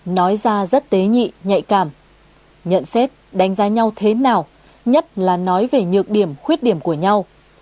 nói ra rất tế nhị nhạy cảm nhận xét đánh giá nhau thế nào nhất là nói về nhược điểm khuyết điểm của nhau